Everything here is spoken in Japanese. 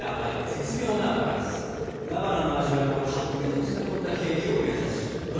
菜花の味わいをたっぷりと詰め込んだケーキを目指します。